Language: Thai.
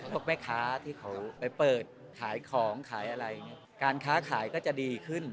พวกแม้ค้าที่เขาไปเปิดขายของขายอะไร